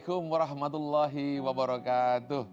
assalamualaikum warahmatullahi wabarakatuh